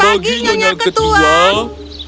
selamat pagi nyonya ketua tuan ketua itu